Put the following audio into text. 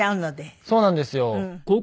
そうなんですよ。